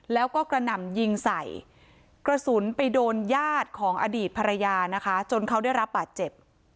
แล้วก็กระหน่ำยิงใส่กระสุนไปโดนญาติของอดีตภรรยานะคะจนเขาได้รับบาดเจ็บ